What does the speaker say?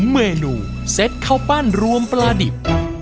เมนูเซ็ตข้าวปั้นรวมปลาดิบ